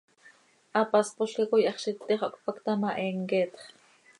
Hapáspolca coi hax z iti xah cötpacta ma, he mqueetx.